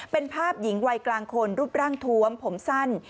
เป็นภาพหญิงวัยกลางคนรูปร่างทวมผมสั้น